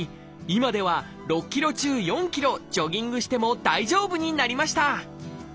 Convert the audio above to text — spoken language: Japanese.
今では６キロ中４キロジョギングしても大丈夫になりました！